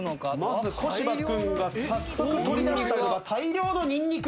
まず小柴君が早速取り出したのが大量のニンニク。